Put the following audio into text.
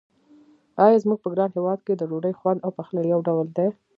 آیا زموږ په ګران هېواد کې د ډوډۍ خوند او پخلی یو ډول دی.